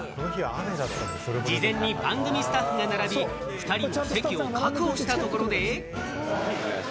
事前に番組スタッフが並び、２人の席を確保したところで。